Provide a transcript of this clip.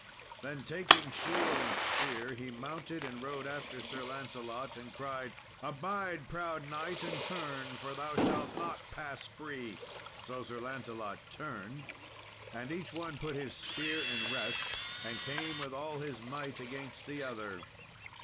Then, taking shield and spear, he mounted and rode after Sir Lancelot, and cried, "Abide, proud knight, and turn, for thou shalt not pass free!" So Sir Lancelot turned, and each one put his spear in rest and came with all his might against the other.